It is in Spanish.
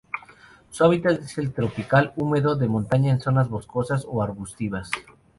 Su hábitat es el tropical húmedo de montaña en zonas boscosas o arbustivas.